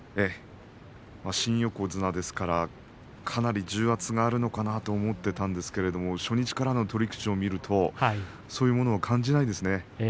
新横綱ですからかなり重圧があるのかなと思っていたんですけれど初日からの取り口を見るとそういうものを感じないですね。